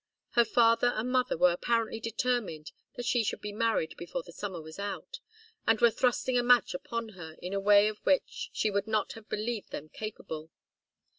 Her father and mother were apparently determined that she should be married before the summer was out, and were thrusting a match upon her in a way of which she would not have believed them capable.